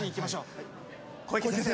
小池先生。